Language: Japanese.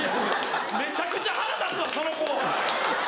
めちゃくちゃ腹立つわその後輩！